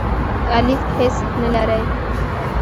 الیف هیڅ نه لری.